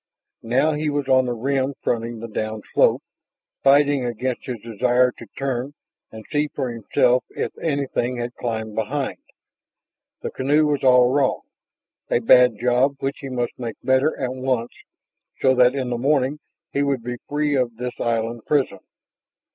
Now he was on the rim fronting the downslope, fighting against his desire to turn and see for himself if anything had climbed behind. The canoe was all wrong, a bad job which he must make better at once so that in the morning he would be free of this island prison.